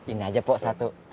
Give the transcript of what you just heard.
ini aja pok satu